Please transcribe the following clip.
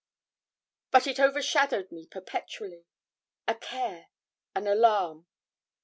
But it overshadowed me perpetually a care, an alarm.